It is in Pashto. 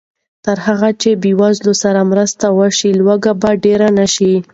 تر هغه چې بېوزلو سره مرسته وشي، لوږه به ډېره نه شي.